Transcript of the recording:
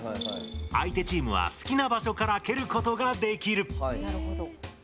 相手チームは好きな場所から蹴ることができる。